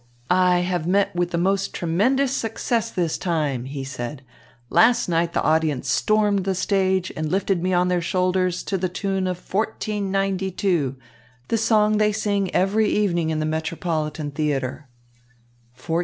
"I have met with the most tremendous success this time," he said. "Last night the audience stormed the stage and lifted me on their shoulders to the tune of '1492,' the song they sing every evening in the Metropolitan Theatre."